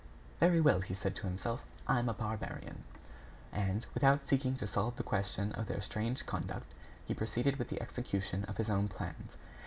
"Very well," he said to himself, "I am a barbarian." And, without seeking to solve the question of their strange conduct, he proceeded with the execution of his own plans.